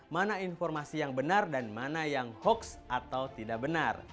mana informasi yang benar dan mana yang hoax atau tidak benar